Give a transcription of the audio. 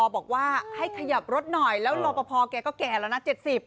บอกว่าให้ขยับรถหน่อยแล้วรอปภแกก็แก่แล้วนะ๗๐